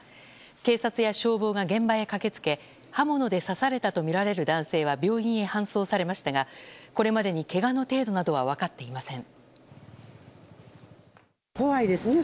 警察や消防が現場へ駆けつけ刃物で刺されたとみられる男性は病院へ搬送されましたがこれまでに、けがの程度などは分かっていません。